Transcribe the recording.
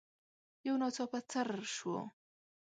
يو ناڅاپه څررر شو.